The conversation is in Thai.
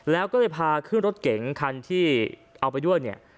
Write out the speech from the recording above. แล้วก็เลยพาขึ้นรถเก๋งคันที่เอาไปด้วยเนี่ย